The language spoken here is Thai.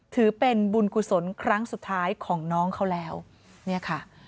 ถือเป็นบุญกุศลครั้งสุดท้ายของน้องเขาแล้วเนี่ยค่ะ